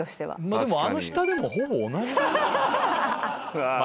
でもあの下でもほぼ同じだよ。